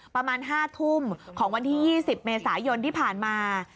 ประมาณ๕ทุ่มของวันที่๒๐เมษายนที่ผ่านมา